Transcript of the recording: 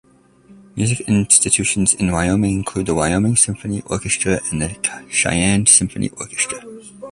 Music institutions in Wyoming include the Wyoming Symphony Orchestra and the Cheyenne Symphony Orchestra.